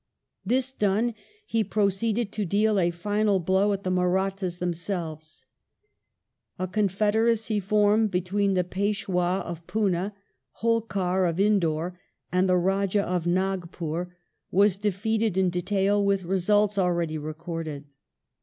This done, he proceeded to deal a final blow at the Marathas Third Ma themselves. A confederacy formed between the Peshwa of Poona, ^^^^ Holkar of Indore, and the Raja of Nagpur was defeated in detail, 1817 1818 with results already recorded.